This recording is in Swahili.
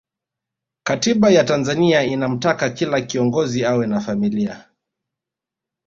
katiba ya tanzania inamtaka kila kiongozi awe na familia